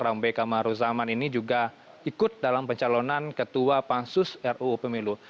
rambe kamaruzaman ini juga ikut dalam pencalonan ketua pansus ruu pemilu